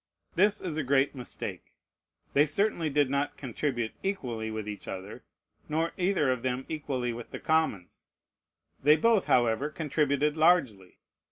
This is a great mistake. They certainly did not contribute equally with each other, nor either of them equally with the commons. They both, however, contributed largely.